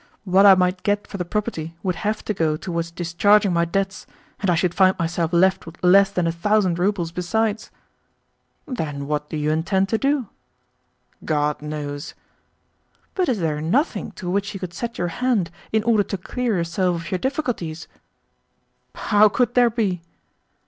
"What I might get for the property would have to go towards discharging my debts, and I should find myself left with less than a thousand roubles besides." "Then what do you intend to do?" "God knows." "But is there NOTHING to which you could set your hand in order to clear yourself of your difficulties?" "How could there be?"